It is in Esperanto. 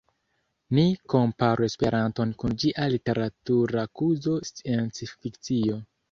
Ni komparu Esperanton kun ĝia literatura kuzo sciencfikcio.